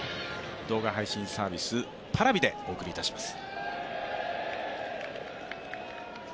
動画配信サービスＰａｒａｖｉでお送りいたします。